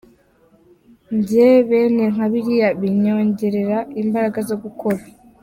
Njye bene nka biriya binyongerera imbaraga zo gukora.